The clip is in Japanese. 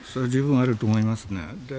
十分あると思いますね。